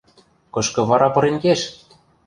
Кышкы вара пырен кеш?